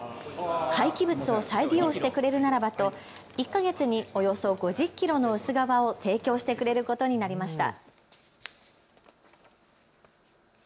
廃棄物を再利用してくれるならばと１か月におよそ５０キロの薄皮を提供してくれることになりました。